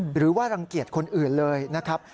หรือว่ารังเกียจคนอื่นเลยนะครับ